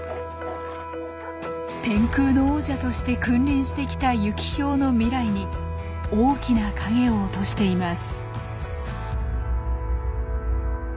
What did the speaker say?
天空の王者として君臨してきたユキヒョウの未来に大きな影を落としています。